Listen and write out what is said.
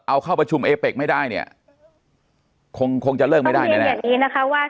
เอาเข้าประชุมเอเป็กไม่ได้เนี่ยคงคงจะเลิกไม่ได้แน่แบบนี้นะคะว่า